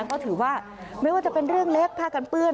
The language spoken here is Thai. เพราะถือว่าไม่ว่าจะเป็นเรื่องเล็กผ้ากันเปื้อน